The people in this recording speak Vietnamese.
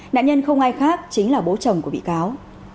nạn nhân không ai khác chính là bố chồng của bị cáo